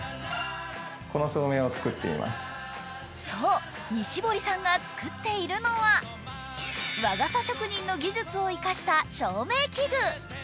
そう、西堀さんが作っているのは和傘職人の技術を生かした照明器具。